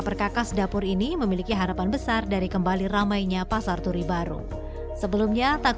perkakas dapur ini memiliki harapan besar dari kembali ramainya pasar turi baru sebelumnya tak